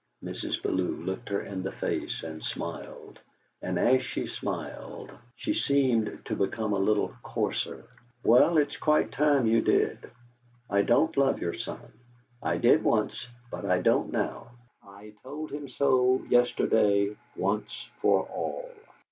Mrs. Bellew looked her in the face and smiled; and as she smiled she seemed to become a little coarser. "Well, I think it's quite time you did! I don't love your son. I did once, but I don't now. I told him so yesterday, once for all."